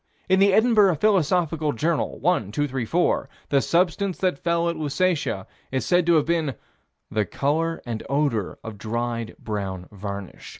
In the Edinburgh Philosophical Journal, 1 234, the substance that fell at Lusatia is said to have been of the "color and odor of dried, brown varnish."